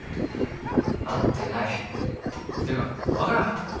会ってないてか分からん